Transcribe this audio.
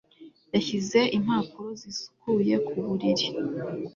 Yashyize impapuro zisukuye ku buriri